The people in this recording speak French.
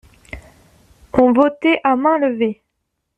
On votait à mains levées.